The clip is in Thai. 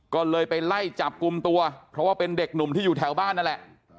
ก็เลยไปไล่จับกลุ่มตัวเพราะว่าเป็นเด็กหนุ่มที่อยู่แถวบ้านนั่นแหละ